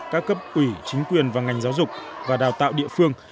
các cấp ủy chính quyền và ngành giáo dục và đào tạo địa phương